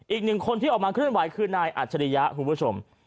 อีกหนึ่งคนที่ออกมาเคลื่อนไหวคือนายอัจฉริยะคุณผู้ชม